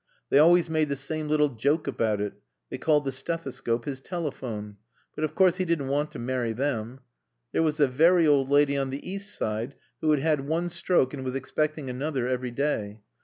They always made the same little joke about it; they called the stethescope his telephone. But of course he didn't want to marry them. There was the very old lady on the east side, who had had one stroke and was expecting another every day.